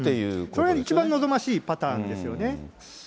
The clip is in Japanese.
それが一番望ましいパターンですよね。